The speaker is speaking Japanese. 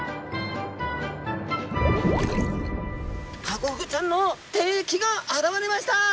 ハコフグちゃんの敵が現れました。